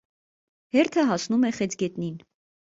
Հերթը հասնում է խեցգետնին։